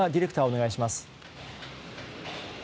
お願いします。